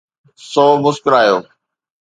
سو مسڪرايو.